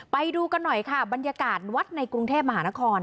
ไปดูกันหน่อยค่ะบรรยากาศวัดในกรุงเทพมหานคร